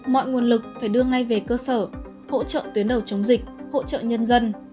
mọi nguồn lực phải đưa ngay về cơ sở hỗ trợ tuyến đầu chống dịch hỗ trợ nhân dân